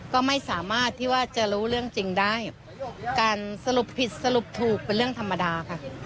ก็ไม่สามารถที่ว่าจะรู้เรื่องจริงได้การสรุปผิดสรุปถูกเป็นเรื่องธรรมดาค่ะ